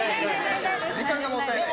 時間がもったいない。